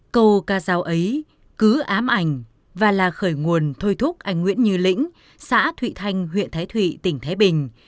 câu ca giáo ấy cứ ám ảnh và là khởi nguồn thôi thúc anh nguyễn như lĩnh xã thụy thanh huyện thái thụy tỉnh thái bình